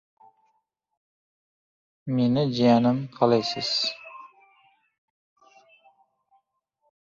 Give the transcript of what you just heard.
Firdavs Abduxoliqov «O‘zbekkino» bosh direktori lavozimidan ozod qilindi